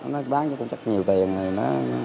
nó bán cho cũng chắc nhiều tiền